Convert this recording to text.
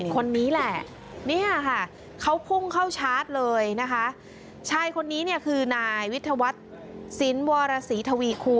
คนนี้แหละนี่ค่ะค่ะ